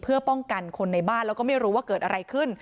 เพื่อป้องกันคนในบ้านแล้วก็ไม่รู้ว่าเกิดอะไรขึ้น